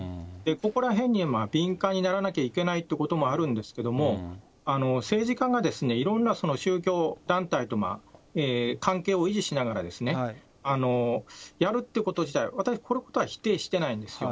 ここらへんに敏感にならなきゃいけないっていうこともあるんですが、政治家がいろんな宗教団体と関係を維持しながら、やるっていうこと自体、私、このことは否定してないんですよ。